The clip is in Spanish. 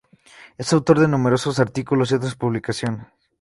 Es autor de numerosos artículos y otras publicaciones.